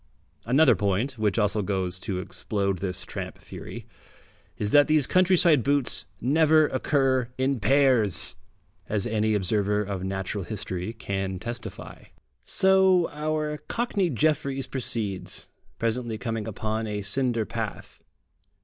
Another point, which also goes to explode this tramp theory, is that these countryside boots never occur in pairs, as any observer of natural history can testify.... So our Cockney Jefferies proceeds, presently coming upon a cinder path.